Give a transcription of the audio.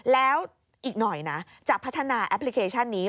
แล้วอีกหน่อยนะจะพัฒนาแอปพลิเคชันนี้